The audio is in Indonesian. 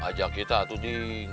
ajak kita tuh broding